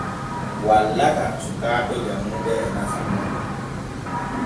Wallaka suukaaɓe gaynuɓe golle e nafa.